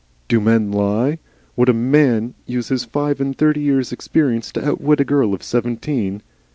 Do MEN lie? Would a MAN use his five and thirty years' experience to outwit a girl of seventeen?